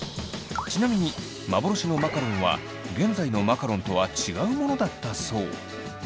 ちなみに幻のマカロンは現在のマカロンとは違うものだったそう。